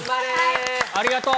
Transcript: ありがとう！